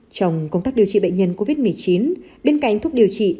trong công tác điều trị bệnh nhân covid một mươi chín bên cạnh thuốc điều trị